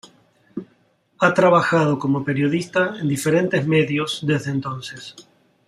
Ha trabajado como periodista en diferentes medios desde entonces.